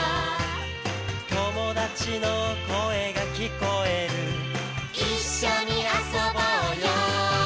「友達の声が聞こえる」「一緒に遊ぼうよ」